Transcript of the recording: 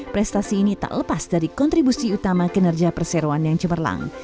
prestasi ini tak lepas dari kontribusi utama kinerja perseroan yang cemerlang